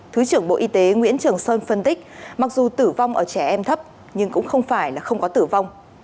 thứ trưởng bộ y tế nguyễn trường sơn phân tích mặc dù tử vong ở trẻ em thấp nhưng cũng không phải là không có tử vong